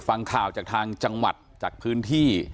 ฟังข่าวจากทางจังหวัดจากพื้นที่